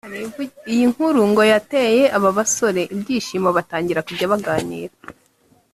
Iyi nkuru ngo yateya aba basore ibyishimo batangira kujya baganira